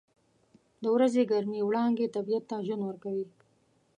• د ورځې ګرمې وړانګې طبیعت ته ژوند ورکوي.